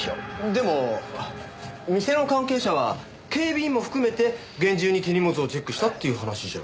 でも店の関係者は警備員も含めて厳重に手荷物をチェックしたっていう話じゃ？